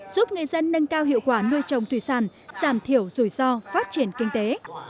giúp người dân nâng cao hiệu quả nuôi trồng thủy sản giảm thiểu rủi ro phát triển kinh tế